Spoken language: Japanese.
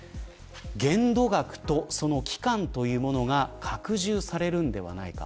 限度額とその期間というものが拡充されるのではないか。